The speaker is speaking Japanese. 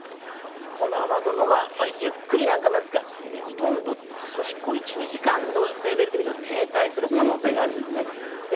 この雨雲がゆっくりですが、ほとんど、少し１２時間のレベルで見ると停滞する可能性があります。